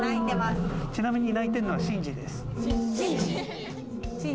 ちなみに鳴いてるのはシンジです。